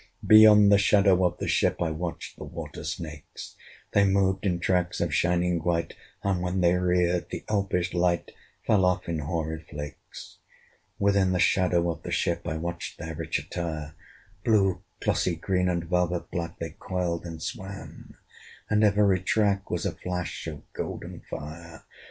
Beyond the shadow of the ship, I watched the water snakes: They moved in tracks of shining white, And when they reared, the elfish light Fell off in hoary flakes. Within the shadow of the ship I watched their rich attire: Blue, glossy green, and velvet black, They coiled and swam; and every track Was a flash of golden fire.